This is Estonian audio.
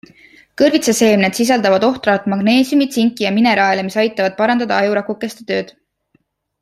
Kõrvitsaseemned sisaldavad ohtralt magneesiumi, tsinki ja mineraale, mis aitavad parandada ajurakukeste tööd.